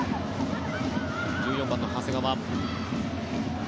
１４番の長谷川。